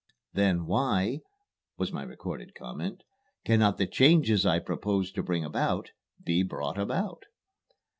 ("Then why," was my recorded comment, "cannot the changes I propose to bring about, be brought about?")